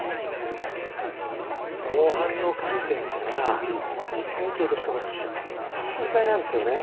防犯の観点から自治会長としてもちょっと心配なんですよね。